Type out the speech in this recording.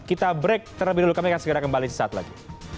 kita break terlebih dahulu kami akan segera kembali sesaat lagi